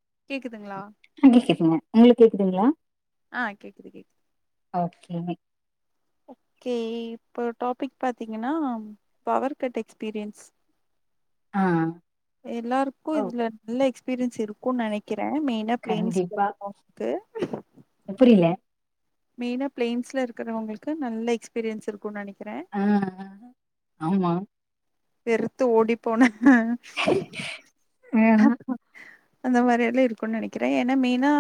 [inaudible] [unintelligible] கேக்குதுங்களா ஆ கேக்குது கேக்குது ஓகே ஓகே இப்ப டாபிக் பாத்தீங்கன்னா பவர் கட் எக்ஸ்பீரியன்ஸ் ஆ எல்லாருக்கும் ஓ இதுல நல்ல எக்ஸ்பிரியன்ஸ் பிரிஞ்ச்சிடு இருக்கும்னு நெனைக்கிறேன் மெயினா பிளேம்ஸ் கண்டிப்பா போட்டு‌ பார எனக்கு புரியல மெயின்னா பிளேம்ஸ்ல இருக்கிறவங்களுக்கு நல்ல எக்ஸ்பீரியன்ஸ் இருக்கும் நெனைக்கிறேன் ஆ ஹ ஆமா வெறுத்து ஓடிப்போன ஆ ம்ம் ஆஹ ஹஹ அந்த மாரி எல்லாம் இருக்கும்ன்னு நெனைக்கிறேன் ஏன்னா மெயினா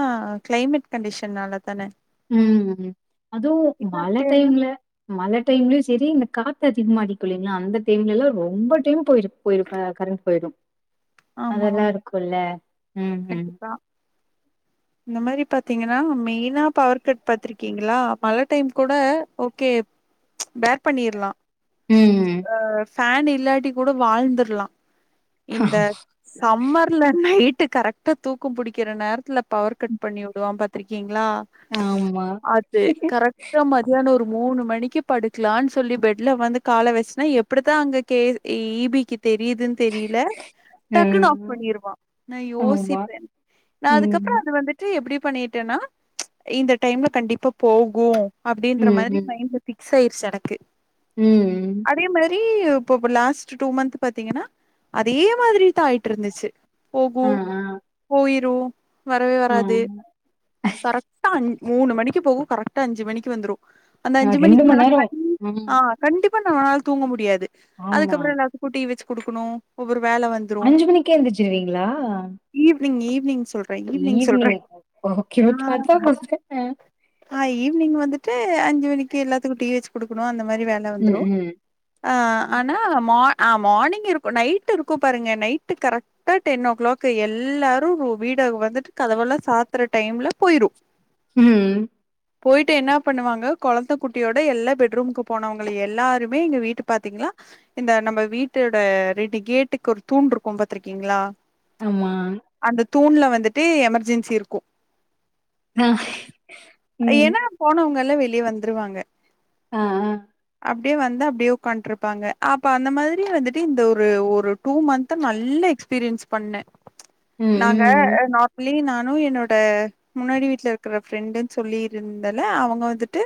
கிளைமேட் கண்டிஷனால ம்ம் அதுவும் மழ டைம்ல மழ இந்த டைம்லயும் சரி இந்த காத்த அதிகமாடிக்குள்ளீங்களா அந்த டைம்லல்லாம் ரொம்ப டைம் போயி போயிடும் கரண்ட் போயிடும் ஆமா அதெல்லாம் ஆமா இருக்குல்ல உம் உம் கண்டிப்பா இந்த மாதிரி பாத்தீங்கன்னா மெயினா பவர் கட் பாத்திருக்கீங்களா மழை டைம் கூட ஓகே பேர் பண்ணிரலாம் உம்ம் பேன் இல்லாட்டி கூட வாழ்ந்தரலாம் இந்த சம்மர்ல நைட் கரண்ட் கரெக்டா தூக்கம் பிடிக்கிற நேரத்தில்ல பவர் கட் பண்ணிவுடுவான் பர்த்திருக்கீங் நா ஆமா அது கரெக்டா மதியானம் ஒரு மூணு மணிக்கு படுக்கலாம்னு சொல்லி பெட்ல வந்து கால வச்சனா எப்படித்தான் அங்க கே ஈபிக்கு தெரியுது தெரியல டக்குன்னு ஆப் ம் பண்ணிருவான் நான் ஆமா யோசிப்பேன் நான் அதுக் ம் அதுக்கப்புறம் அது வந்துட்டு எப்படிப் புக் பண்ணிட்டேன்னா இந்த டைம்ல கண்டிப்பா போகும் அப்படின்ற மாதிரி மைண்ட் பிக்ஸ் ஆயிச் செடக்கு உம் ஏ இப்ப லாஸ்ட் டூ மந்த் பாத்தீங்கன்னா அதே மாதிரி தான் ஆயிட்டிருந்துச்சு போகு ஆ ஆ போயிட் ப்ரோ வரவே ஆ வராது கரெக்டா அஞ் மூணு மணிக்கு போகும் கரெக்டா அஞ்சு மணிக்கு வந்துடும் அந்த ஆ அஞ்சு ரெண்டு மணிக்கு மண் மேல் நேரோ கண்ட் ம் ஆஹ் கண்டிப் இப்ப நான் தூங்க முடியாது ஆமா அதுக்கப்புறம் எல்லாருக்கும் டீ வச்சு குடுக்கணும் ஒவ்வெரு அஞ்சு மணிக்கே எந்திருச்சிருவீங்களா நீங்க சொர் ஈவினிங் ஓகே ஓகே ஆ அதான் பஸ்ட் டைம்மு ஆ ஈவி்னி்ங் வந்துட்டு அஞ்சு மணிக்கு எல்லாத்துக்கும் டீ வச்சு குடுக்குணும் அந்த இந்த மாதிரி வேல ம் வந்துரும் ம் ஆனா மார்னிங் இருக்கும் நைட் இருக்கும் பாருங்க நைட்டு கரெக்டா டென் ஓ கிளாக் எல்லாரும் வீட் இவங்க வந்துட்டு கதவல்லாம் சாத்தற டைம்ல போயிரும் உம் போயிட்டு என்ன பண்ணுவாங்க குழந்தை குட்டியோட எல்லா பெட்ரூம்கு போனவங்கள எல்லாருமே எங்க வீட்டு பாாரத்தீங்களா இந்த நம்ம வீட்டோட ரெண்டு கேட்டுக்கு ஒரு தூண் இருக்கும் பாத்திருக்கீங்களா ஆமா தூண்ல வந்துட்டு எமெர்ஜென்சி இருக்கும் ஆஹ் என்ன போனவங்க வெளியே வந்துருவாங்க ஆஹ்ஹ் அப்படியே வந்து அப்படியே உட்காண்டருப்பாங்க அப்ப அந்த மாதிரியே வந்துட்டு இந்த ஒரு ஒரு டூ மந்த் நல்ல எக்ஸ்பீரியன்ஸ் பண்ணேன் ம் நாங்க ம் நார்மலி நா என்னோட முன்னாடி வீட்டுல இருக்கிற பிரெண்டு சொல்லிருந்தால அவங்க வந்துட்டு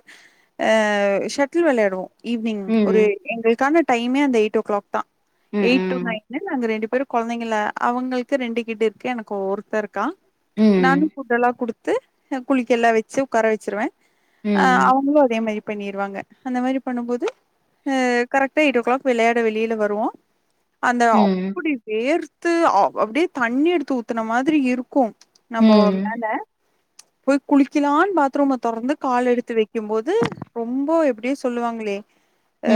அஹ் ஷட்டில் வெளையாடுவோம் ஈவி்னிங் ம் ஒரு எங்களுக்கான டைமே அந்த எய்ட் ஓ கிலாக் தான் ம் எயிட் டு ம் நைன் நாங்க ரெண்டு ஒரு கொழந்தைங்கள அவங்களுக்கு ரெண்டு கிட் இருக்கு எனக்கு ஒருத்தன் இருக்கான் ம் நானும் புட்டெல்லாம் குடுத் குளிக்கெல்லா வச்ச சிவ்கார வச்சுருவேன் ஆஹ் ம் அவங்களும் அதே மாதிரி பண்ணிருவாங்க அந்த மாதிரி பண்ணும் போது ஹ க இப்ப எயிட் ஓ கிளாக் வெளையாட வெளியில வருவோம் அந்த ம் அப்படி வேர் அப்படியே தண்ணி எடுத்து ஊத்துன மாதிரி இரு க்கும் ம் நம்ம ம் மேல போய் குளி கிலான் பாத்ரூமை தொடர்ந்து கால் எடுத்து வைக்கும்போது ரொம்ப எப்படியே சொல்லுவாங்களே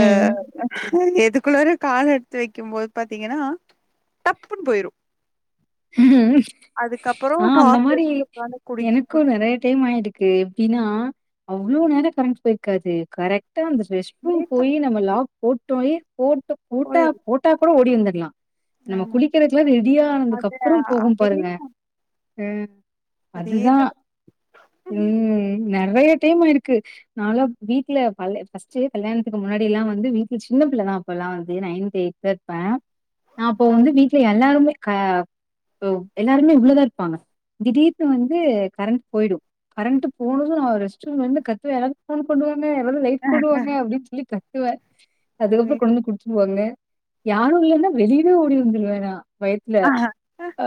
ம் எதுக்குள்ளரும் கால எடுத்து வைக்கும் போது பாத்தீங்கன்னா ரப்புன்னு போயிரும் ஆஹ் அந்த டார்ச் மாதிரி அடிச்சு உக்காந்து குளிக் எனக்கும் குளிக் நெறைய டைம் ஆயிருக்கு இருக்கு எப்படின்னா அவ்வளோ நேரம் கரெண்ட் போயிருக்காது கரெக்ட் அந்த ரெஸ்ட்ரூம் லேட்டா போய் நம்ம லாக் போட்டுயி போட்டு பூட்ட போயிரு போ கூட ஓடி வந்துரலா இருக்லாம் நம்ம ஆமா குளிக்கிறதுக்குலலாம் ரெடியா ஆனதுக்க அது அப்புறோ போகும் அதே பாருங்க அதுதா அதேத உம் நெ றைய டைம் ஆயிருக்கு நான்லா வீட்டுல ஃபர்ஸ்ட்டே கல்யாணத்துக்கு முன்னாடில்லா வந்து வீட்டுல சின்ன புள்ளதா அப்போல்லா வந்து நைன்த் எய்த்தாயிருப்பே அப்போ வந்து வீட்டுல எல்லாருமே கா எல்லாருமே உள்ளதான் இருப்பாங்க திடீர்னு வந்து கரண்ட் போயிடோ கரண்ட் போனதோ நா ரெஸ்ட்ரூம்லயிருந்து கத்துவே யாராவது போன் கொண்டுவாங்க இல்ல யாராவது லைட் கொண்டுவாங்க அப்டின்னு சொல்லி கத்துவே அதே அதுக்கப்புறோ கொண்டுவந்து குடுத்துருவாங்க யாரோ இல்லன்னா வெளியவே ஓடி வந்துடுவே நா பயத்துல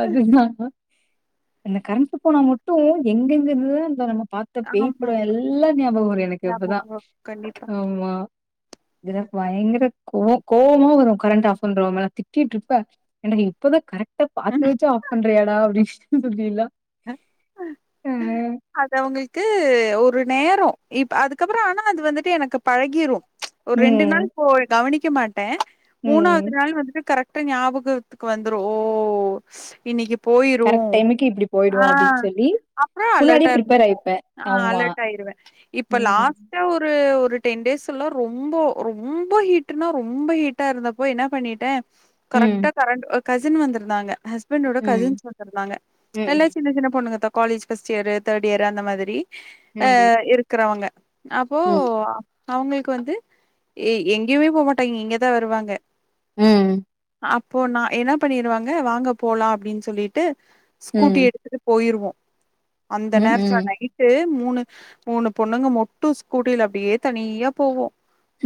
அதுதா இந்த கரண்டு போனா மட்டோ எங்கெந்துதா இந்த நம்ம பார்த்த ஆமா பேய்படோ எல்லா ஞாபகம் வரோ எனக்கு இப்பதா ஞாபகம் வரும். கண்டிப்பா ஆமா எனக்கு பயங்கர கோ கோவமா வரோ கரண்ட் ஆஃப் பண்றவங்கள திட்டிட்டுயிருப்ப இப்பதா கரெக்டா பாத்து தெரிஞ்சே ஆஃப் பண்றியாடா அப்டி இஷ்டத்துக்கு எல்லா அது அவங்களுக்கு ஒரு நேரோம் இப்ப அதுக்கப்புறோ ஆனா அது வந்துட்டு எனக்கு பழகிரும் ஒரு ரெண்டு நாள் ம். போய் கவனிக் இக்குமணி மூணாவது ம். நாள் வந்துட்டு கரெக்டா ஞாபகத்துக்கு வந்துரோ ஓ இன்னிக்கு கரெக்ட் டைமுக்கு இப்டி போ ஆஹ் அப்புறோ அலெர்டா ப்ரிப்பேர் இருந்துபோ ஆயிப்பேன். ஆஹ் ஆமா. அலார்ட் ஆயிடுவே இப்ப ம். லாஸ்டா ஒரு ஒரு டென் டேஸ்லா ரொம்ப ரொம்ப ஹீட்னா ரொம்ப ஹீட்டாயிருந்தப்போ என்ன பண்ணிட்டே கரெக்டா ம். கரண்ட் கசின் வந்திருந்தாங்க ஹஸ் என்னோட ம். கசின்ஸ் வந்திருந்தாங்க எல்லா ம். சின்னசின்ன பொண்ணுங்கதா college first year third year அந்த மாதிரி ம். அஹ் இருக்குறவங்க அப்போ ம். அவங்களுக்கு வந்து எங்கயுமே போகமாட்டாங்க இங்கதான் வருவாங்க உம் அப்போ நா என்ன பண்ணிடுவாங்க வாங்க போலா அப்டின்னு சொல்லிட்டு கூட்டி ம். எடுத்துட்டு போயிடுவோ அந்த நேரத்துல ம். நைட்டு மூணு மூணு பொண்ணுங்க மட்டும் ஸ்கூட்டில அப்டியே தனியா போவோ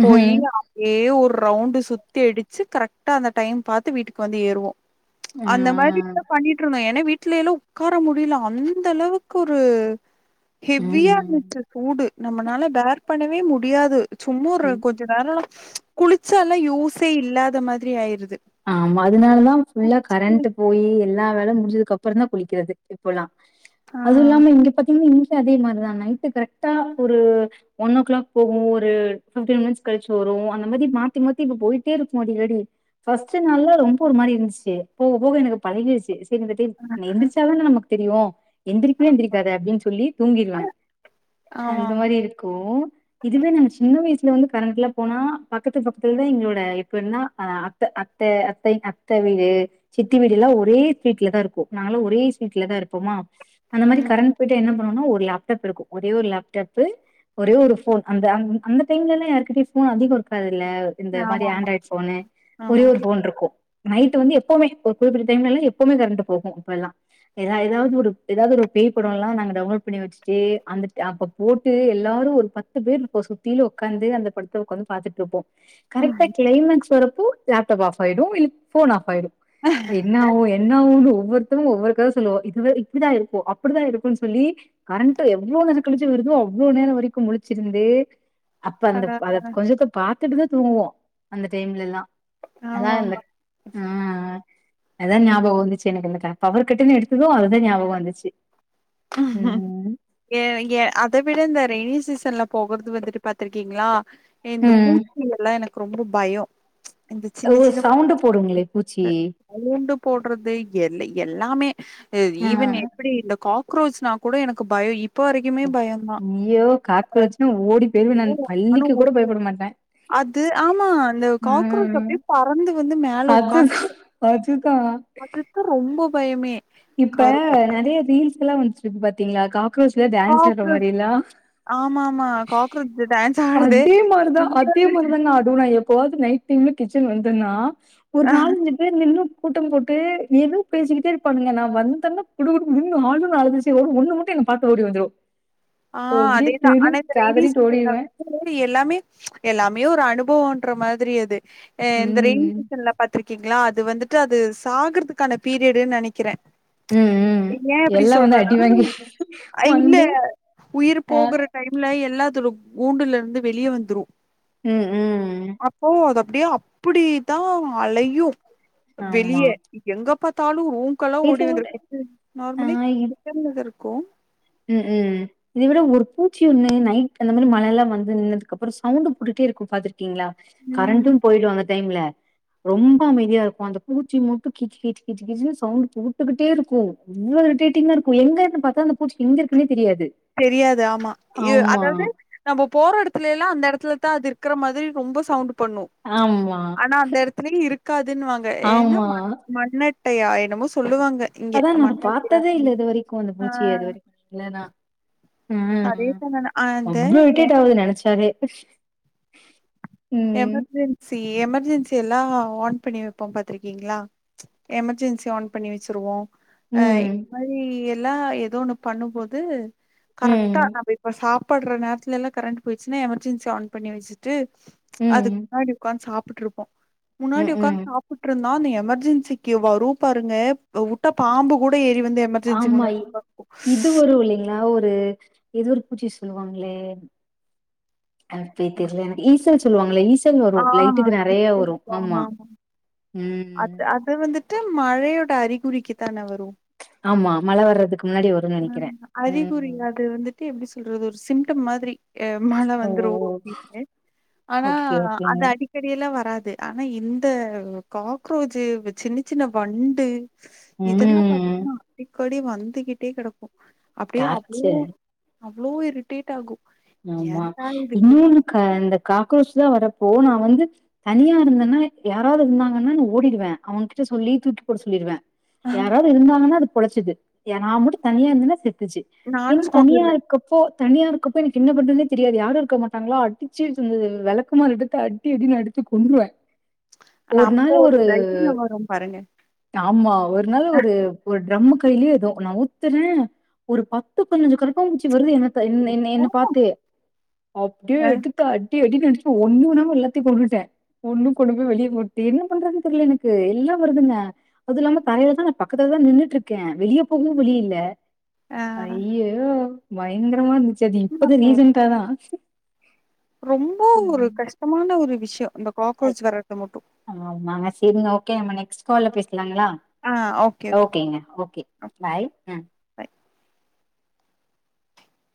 போய் ம்ஹ்ம். அதே உர் ரவுண்டு சுத்தி அடிச்சு கரக்டா அந்த டைம் பாத்து வீட்டுக் வந்து ஏறுவோம் ஆ. அந்த மாரிதான் பண்ணிட்டுருந்தோம் ஏனா வீ ட்லேலோ உட்கார முடில அந்த அளவுக்கு ஒரு ஹெவியா ம். இருந்துச்சு சூடு நம்மளால வெர் பண்ணவே முடியாது சும்மொரு ம். கொஞ்ச நேரள குளிச்சல்லே யூசே இல்லாத மாதிரி ஆயிரு ஆமா அதனாலதா ஃபுல்லா கரண்ட்டு போயி எல்லா வேல முடிஞ்சதுக்கப்பறந்தா குளிக்கறது இப்பல்லா ஆ அதுல்லாம இங்க பாத்தீங் ங் அதே மார்தா நைட்டு கரெக்டா ஒரு ஒன் ஓ கிளாக் போகு ஒரு ஃபிப்டீன் மினிட்ஸ் கழிச்சு வரு அந்த மாரி மாத்தி மாத்தி இப்ப போயிட்டே இருக்கு அடிஅடி ஃபர்ஸ்ட் நாள்லா ரொம்ப ஒரு மாரி இருந்ச்சு போக போக எனக்கு பழகிருச்சு [unintelligible] நெந்திச்சால நமக் தெரியொ எந்திரிக்கவே எந்திரிக்காத அப்டின்னு சொல்லி தூங்கிருவேன் அந்த ஆமாம் மாரி இருக்கோ இதுவே நம் சின்ன வயசுல வந்து கரண்ட்லாம் போனா பக்கத்து பக்கத்துல்தா எங்களோட இப்ப என்னா அ த்த அத்த அத்தை அத்த வீடு சித்தி வீடுலா ஒரே தீட்லதான் இருக்கு நாங்கலு ஒரே ஸ்வீட்லதா இருப்போமா அந்த மாரி ம் கரண்ட் போய்ட் என்ன ப ந்நோ ஒரு லப்டப் இருக்கு ஒரே ஒரு லப்டப்பு ஒரே ஒரு ஃபோன் அந்த அந் அந்த டைம்லல யார்கிட்ட ஃபோன் அதிக இருக்கா ல்ல இந்த மாரி ஆமாமா ஆண்ட்ராய் ஃபோனு ஒரேயோர் ஆமாமா ஃபோன் ட்ருக்கு நைட்டுவந்து எப்போமே ஒரு குறிப்பிட்ட டைம்லல்லா எப்போமே கரண்ட் போகு இப்பல்லா ஏத எதாது ஒரு எதாது ஒரு பேய் படம்ல்லா நாங்க டவுன்லோட் பண்ணி வச்சுட்டு அந்த அப்ப போட்டு எல்லாரு ஒரு பத்து பேர் நிப்போ சுத்திலு உக்காந்து அந்த படத்தை உக்காந் பாத்துட்டுருப்போ கரெக்டா கிளைமாக்ஸ் வரப்போ லாப்டாப் ஆஃப் ஆய்டு இல் ஃபோன் ஆஃப் ஆய்டு என்ன ஊ என்ன ஊஹு ஒவ்வொருத்துரு ஒவ்வொரு கத சொல்லுவோ இதுவே இப்படிதா இருக்கோ அப்படிதா இருக்கு சொல்லி கரண்ட்டு எவ்ளோ நேர கழிச்சு வருதோ அவ்ளோ நேர வரிக்கு முளிச்சிருந்து அப்ப ஆ அந்த அத கொஞ்சத்த பா த்துட்டுது தூங்குவோ அந்த டைம்லல்லா ஆமாமா அதாந்த ஆஹ்ஹ அதா ஞாபகொவந்துச்சு எனக்கு ந்தக பவர் கட்டுனு எடுத்தது அதுதா ஞாபக வந்துச்சு ம் யா ய ங்ஞ அத விட இந்த ரெய்னி சீசன்ல போகறது வந்துட்டு பாத்ரிக்கீங்களா இந்த ம் பூத் தியெல்லா எனக் ரொம்ப பயம் சவுண்டு போடுங்களே பூச்சி சவுண்டு போடுறது எல் எல்லாமே ஹ ஆ ஈவன் எப்படி இந்த க்ரோச்னா கூட எனக்கு பயம் இ இப்ப வரைக்குமே பயந்தான் ஐயோ காக்ரோச்னா ஓடி போயிருவே நானு பல்லிக்கு கூட பயப்பட மாட்டே அது ஆமா அ காக்ரோச் அப்டியே பறந்து அது அது அதுத்தா ரொம்ப பயமே இப்ப கரு நிறைய ரீல்ஸ் எல்லாம் வந் ப்ப பாத்தீங்களா கா ஸ்கூல்ஸ்லே டான்ஸ் ஆடற காக்ரோச் மாதிரித ஆமா ஆமா காக்ரோச் டான்ஸ் ஆடுது அதே மாதிரிதான் அதே இன்னொரு மாதிரிதான்னா அடுவே எப்ப போவது நைட் டைம்ல கிச்சன் வந்தன்னா ஆ ஒரு நாலஞ்சு பேர் நின்னும் கூட்டம் போட்டு ஏதும் பேசிக்கிட்டே இரு பானுங்க நான் வந்தன்ன குடு குடு ம்னு அழுச்சு ஒண்ணு மட்டும் எங்க பார்க்க ஓடி வந்துடும் ஆஹ் அதேதான் ஆனா இந்த ரெய்னி சீசன்ல ஓடிருவே [unintelligible] எல்லாமே எல்லாமே ஒரு அனுபவம் ன்ற மாதிரி அது இந்த ரெயின் ம் சீசன்ல பா்த்திருக்கீங்களா அது அது வந்துட்டு அது சாகறதுக்கான பீரியடுன்னு நினைக்கிறேன் உம் உம் எல்லாம் வந்து அடி வாங்கி அ இல்ல வந்து உயிர் ஆ போகற டைம்ல எல்லாத்தொட கூண்டுல இருந்து வெளியே வந்துரும் ம் ம் அப்போ அத அப்படியே அப்படி தான் அலையும் ஆமா வெளிய எங்கப் ப்பாத்தாலும் கெல்லாம் இத ஓடி வந்துரு விட கிச்ச நார்மலி கிச்ச இரு கு உம் உம் இதை விட ஒரு பூச்சி ஒண்ணு நைட் அந்த மாதிரி மழைய எல்லாம் வந்து நின்னதுக்கு அப்புறம் சவுண்ட போட்டுட்டே இருக்கும் பாத்த இருகிங்களா ம். கரண்ட்டும் போயிடும் அனா டைம்ல ரொம்ப அமைதியா இருக்கும் அந்த பூச்சி மட்டும் கிச்சுகிச்சுனு கிச்சுனு சவுண்டு கொடுத்துகிட்டே இருக்கும் அவ்ளோ இரிடேட்டிங்க இருக்கும் எங்கன்னு பார்த்தா அந்த ச்சு எங்க இருக்குனேத் தெ தெரியாது ஆமா ஏ அதாவது நம்ப போற இடத்துல எல்லாம் அந்த இடத்துல அது இருக்கிற மாரி ரொம்ப சவுண்ட் பண்ணும் ஆமா, ஆனா அந்த இடத்துலய இருக்காதுன்னுவாங்க ஏன்ன ஆமா. மண்ண அயா என்னமோ சொல்லுவாங்க இங்க அதான் நான் மண்ணட்டையா பாத்ததே இல்ல இது வரைக்கும் அந்த ஆ மூச்சிய இது வரைக்கும் இல்லன்னா ம் ம் அதேதா நானு அந்த அவ்ளோ எ விட்டுட்டு ஆகுது நினைச்சாவே [inaudible] எமர்ஜென்சி எமர்ஜென்சி எல்லாம் ஆன் பண்ணி வைப்போம் பாத்ருக்கீங்களா எமர்ஜென்சி ஆன் பண்ணி வச்சருவோம் அ இந்த ம். மாரி எல்லா ஏதோ ஒண்ணு பண்ணும்போது கரெக்டா ம். நம்ப இப்ப சாப் ப்படுறநேரத்துல எல்லாம் கரண்ட் போயிச்சுன்னா எமர்ஜென்சி ஆன் பண்ணி வச்சிட்டு ம். அதுக்கு முன்னாடி உக்காந்து சாப் ருப்போம் முன்னாடி ம்க்ம். உக்காந்து சாப்பட்றுந்தோம் அந்த எமர்ஜென்சிக்கு வரும் பாருங்க வுட்ட பாம்பு கூட ஏறி வந்து எமர்ஜென்சி ஆமா முன்னாடி உக்காந்துக்கும். இது ஒரு இல்லிங்களா ஒ இது எதோ ஒரு பூச்சி சொல்லுவாங்களே ஆர்த்தி தெர்யில எனக்கு ஈஸ் சொல்லாங்களா இசி ஆ வரும் லைட்டுக்கு நிறைய வரும் ஆமா அ ம். அது வந்து ம மழையோட அறி குறிக்கு தான வரு ஆமா மழ வர்றதுக்கு முன்னாடி வரும்னு நெனைக்கிறே அறிகுறி ம் அது வந்துட்டு எப்படி சொல்றது ஒரு சிம் மாதிரி மழை ஓ வந்துரும் அப்படின்னு ஆனா ஓகே ஓகேங்க அது அடிக்கஎல்லாம் வராது ஆனா இந்த காக்ரோஜு சின்ன சின்ன வண்டு இதெல்லாம் ம் பாத்தீங்கன்னா ப்படி வந்துக்கிட்டே கிடக்கும் அப்படியே அப்போ டார்ச்சர் அவ்வளோ இரிட்டேட் ஆகும் ஆமா ஏன்டா இது இப்டி இன்னொன்னு இந்த காக்ரோச் தான் வரப்போ நான் வந்து தனியா இருந்தேன்னா யாராவது இருந்தாங்கன்னா நான் ஓடிடுவேன் அவன்கிட்ட சொல்லி தூக்கி போட சொல்லிடுவேன் பண் யாராவது இருந்தாங்கன்னா அ குழச்சது நான் மட்டும் தனியா இருந்த செ செத்துச்சி நானும் கொண்டு தனியா வருவேன். இருக்கப்போ தனியா இருக்க இப்ப எனக்கு என்ன பண்றதுனே தெரியாது யாரும் இருக்க மாட்டாங்கள அட்டிச்சு விளக்கமார் எடுத்து அட்டி அடினு அடுத்து கொண்டுுவவேன் ஆனா ஒரு அப்போ நாள் ஒரு தைரியம் வரும் பாருங்க. ஆமா ஒரு நாள் ஒரு ஒரு டிரம்முக்கு கே ஏதோ நான் நவுத்துறேன் ஒரு பத்து பதினஞ்சு கரப்பாபுச்சு வருது என இ இன்னேன்ன ஆமாங்க. பாத்தே அப்படியே எடுத்தா அடி டடி அட்னு அடிச்சி ஒண்ணும் உடாம எல்லாத்தையும் கொண்டுட்டேன் ஒண்ணும் கொண்டு போய் வெளியே போட்ட என்ன பண்றதுன்னு தெரியில எனக்கு எல்லாம் வருதுங்க அது இல்லாம தலயிலதான் நான் பக்கதுல தான் நின்னுட்டு இருக்கேன் வெளியே போகவும் வெலில்ல அ ஐயோ பயங்கரமாஞ்சு அப்பது நீசன்ாதான ரொம்ப ஒரு கஷ்டமான ஒரு வி ஆஹ் மனசே நோக் நெக் கால பேச ங்களா ஆ ஓகே, ஓகே. ஓகேங்க ஓகே பாய் அ.